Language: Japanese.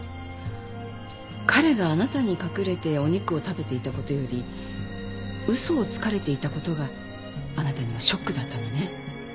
彼があなたに隠れてお肉を食べていた事より嘘をつかれていた事があなたにはショックだったのね。